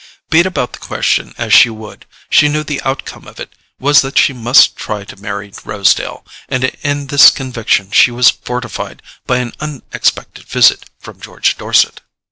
Beat about the question as she would, she knew the outcome of it was that she must try to marry Rosedale; and in this conviction she was fortified by an unexpected visit from George Dorset.